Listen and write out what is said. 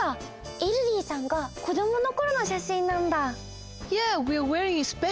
イルディさんが子どものころのしゃしんなんだ。